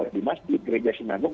di masjid gereja sinagung